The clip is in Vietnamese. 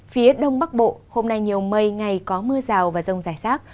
phía đông bắc bộ hôm nay nhiều mây ngày có mưa rào và rông dài sát